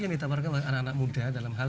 yang ditawarkan oleh anak anak muda dalam hal